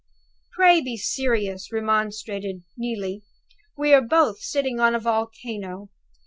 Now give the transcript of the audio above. "Pray be serious," remonstrated Neelie. "We are both sitting on a volcano.